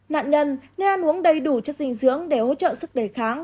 nạn nhân nên ăn uống đầy đủ chất dinh dưỡng để hỗ trợ sức đề kháng